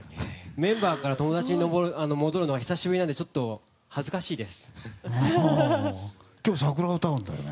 メンバーから友達に戻るのは久しぶりなのでちょっと恥ずかしいです。